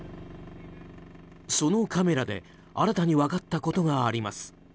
そのカメラで新たに分かったことがあります。